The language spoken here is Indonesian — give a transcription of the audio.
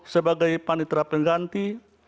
sebagai panitra pengganti